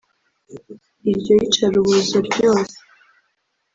iryo yicarubozo ryose